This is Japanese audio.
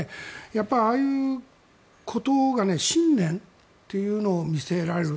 やっぱり、ああいうことが信念というのを見せられる。